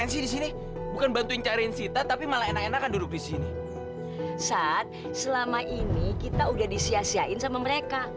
sampai jumpa di video selanjutnya